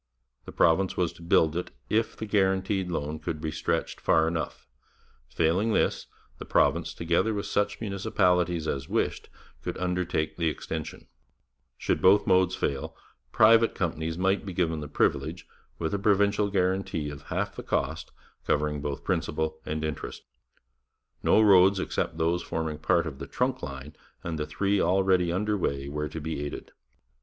The province was to build it if the guaranteed loan could be stretched far enough; failing this, the province, together with such municipalities as wished, could undertake the extension; should both modes fail, private companies might be given the privilege, with a provincial guarantee of half the cost, covering both principal and interest. No roads except those forming part of the Trunk line and the three already under way were to be aided.